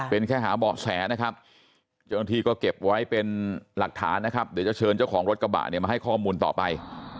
เป็นแค่หาเบาะแสนะครับเจ้าหน้าที่ก็เก็บไว้เป็นหลักฐานนะครับเดี๋ยวจะเชิญเจ้าของรถกระบะเนี่ยมาให้ข้อมูลต่อไป